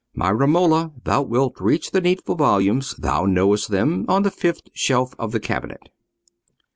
My Romola, thou wilt reach the needful volumes—thou knowest them—on the fifth shelf of the cabinet."